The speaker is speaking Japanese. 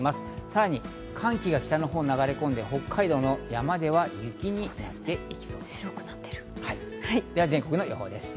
さらに寒気が北のほうに流れ込んで、北海道の山では雪になりそうです。